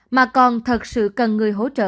mà còn thật sự cần người hỗ trợ